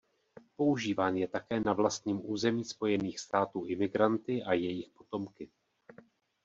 Používán je také na vlastním území Spojených států imigranty a jejich potomky.